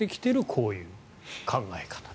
こういう考え方。